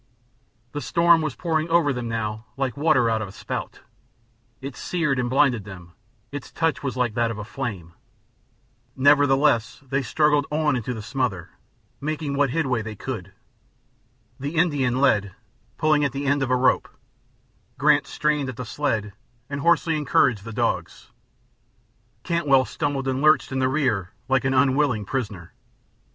The storm was pouring over them now, like water out of a spout; it seared and blinded them; its touch was like that of a flame. Nevertheless they struggled on into the smother, making what headway they could. The Indian led, pulling at the end of a rope; Grant strained at the sled and hoarsely encouraged the dogs; Cantwell stumbled and lurched in the rear like an unwilling prisoner.